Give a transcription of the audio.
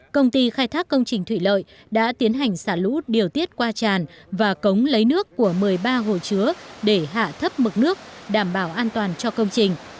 công ty khai thác công trình thủy lợi đã tiến hành xả lũ điều tiết qua tràn và cống lấy nước của một mươi ba hồ chứa để hạ thấp mực nước đảm bảo an toàn cho công trình